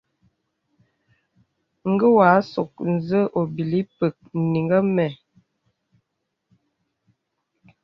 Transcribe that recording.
Ngé wà àsôk nzə óbīlí pə́k nàŋha mə.